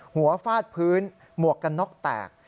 ฟาดพื้นหมวกกันน็อกแตก